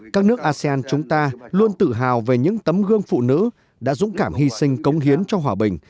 các nước asean chúng ta luôn tự hào về những tấm gương phụ nữ đã dũng cảm hy sinh cống hiến cho hòa bình